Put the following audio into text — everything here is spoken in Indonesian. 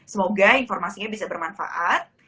semoga informasinya bisa bermanfaat